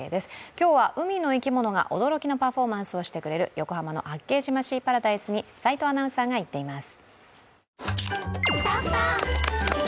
今日は海の生き物が驚きのパフォーマンスをしてくれる横浜の八景島シーパラダイスに齋藤アナウンサーが行っています。